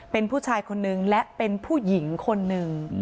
เป็นผู้ชายคนนึงและเป็นผู้หญิงคนหนึ่ง